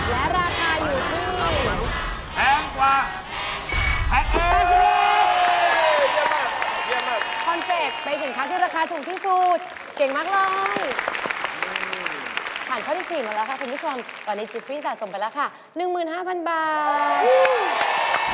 แพงกว่าแพงกว่าแพงกว่าแพงกว่าแพงกว่าแพงกว่าแพงกว่าแพงกว่าแพงกว่าแพงกว่าแพงกว่าแพงกว่าแพงกว่าแพงกว่าแพงกว่าแพงกว่าแพงกว่าแพงกว่าแพงกว่าแพงกว่าแพงกว่าแพงกว่าแพงกว่าแพงกว่าแพงกว่าแพงกว่าแพงกว่าแพงกว่า